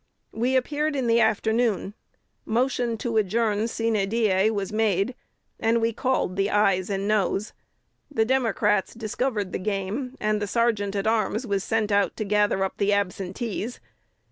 We appeared in the afternoon: motion to adjourn sine die was made, and we called the ayes and noes. The Democrats discovered the game, and the sergeant at arms was sent out to gather up the absentees.